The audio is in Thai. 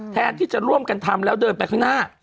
แทนที่จะร่วมกันทำแล้วเดินไปข้างหน้า